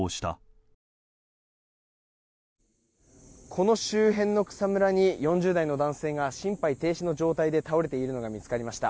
この周辺の草むらに４０代の男性が心肺停止の状態で倒れているのが見つかりました。